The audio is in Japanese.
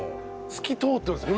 透き通ってます